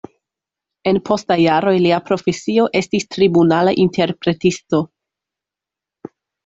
En postaj jaroj lia profesio estis tribunala interpretisto.